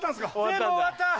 全部終わった！